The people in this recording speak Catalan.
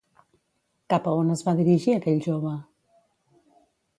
Cap a on es va dirigir aquell jove?